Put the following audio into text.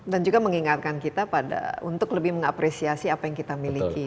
dan juga mengingatkan kita pada untuk lebih mengapresiasi apa yang kita miliki